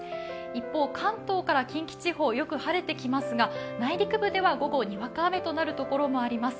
一方、関東から近畿地方、よく晴れてきますが内陸部では午後、にわか雨となる所もあります。